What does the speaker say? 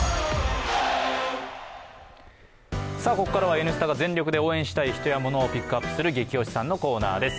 ここからは「Ｎスタ」が全力で応援したい人やものをピックアップする「ゲキ推しさん」のコーナーです。